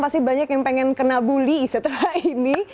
pasti banyak yang pengen kena bully setelah ini